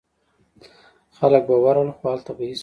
خلک به ورغلل خو هلته به هیڅ نه و.